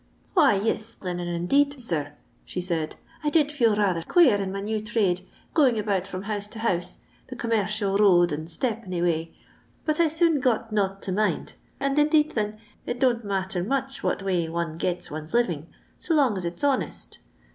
" Why, yis, thin and indeed, sir," she said, " I did feel rather quare in my new trade, going about from house to house, the Commercial road and Stepney way, but I soon got not to mind, and indeed thin it don't matter much what way one gets one's living, so long as it 's honest.